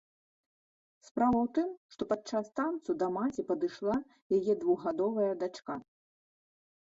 Справа ў тым, што падчас танцу да маці падышла яе двухгадовая дачка.